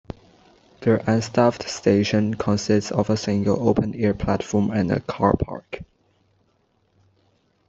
The unstaffed station consists of a single open-air platform and a car park.